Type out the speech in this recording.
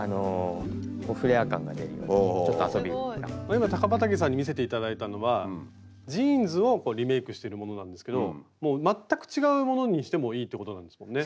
今高畠さんに見せて頂いたのはジーンズをこうリメイクしているものなんですけどもう全く違うものにしてもいいってことなんですもんね。